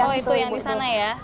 oh itu yang di sana ya